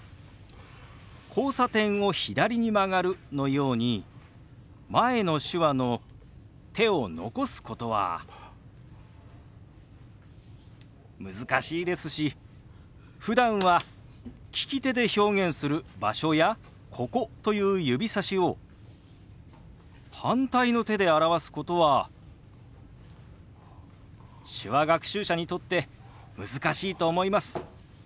「交差点を左に曲がる」のように前の手話の手を残すことは難しいですしふだんは利き手で表現する「場所」や「ここ」という指さしを反対の手で表すことは手話学習者にとって難しいと思います。